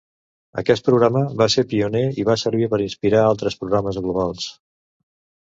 Aquest programa va ser pioner i va servir per a inspirar altres programes globals.